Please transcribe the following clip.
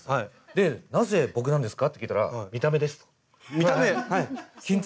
で「なぜ僕なんですか？」って聞いたら見た目？